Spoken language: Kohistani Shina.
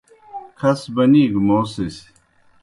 کھس بنی گہ موسِس